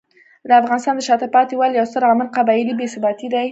د افغانستان د شاته پاتې والي یو ستر عامل قبایلي بې ثباتي دی.